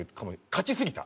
勝ちすぎた。